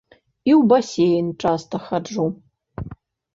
І ў басейн часта хаджу.